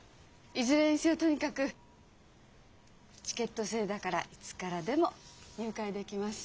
いずれにせよとにかくチケット制だからいつからでも入会できます。